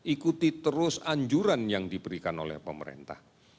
ikuti terus anjuran yang diberikan oleh pemerintah